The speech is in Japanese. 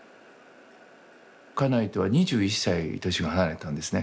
家内とは２１歳年が離れてたんですね。